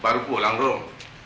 baru pulang rom